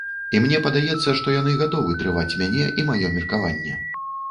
І мне падаецца, што яны гатовы трываць мяне і маё меркаванне.